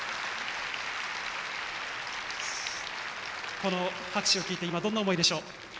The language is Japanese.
この拍手を聞いて今、どんな思いでしょう？